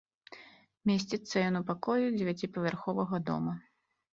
Месціцца ён у пакоі дзевяціпавярховага дома.